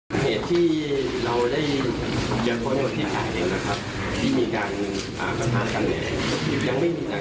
หลังจากบรรทัดเราปิดล้อมทุกหมู่บ้านในทางลงทั้งหมดครับ